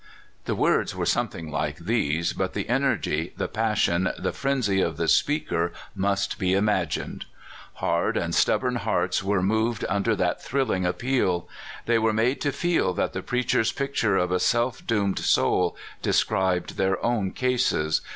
The words were something like these, but the energy, the passion, the frenzy of the speaker must be imagined. Hard and stubborn hearts were NEWTON. 97 moved under that thrilling appeal. They were made to feel that the preacher's picture of a self doomed soul described their own cases.